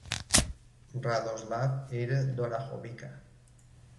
Radoslav era d'Orahovica.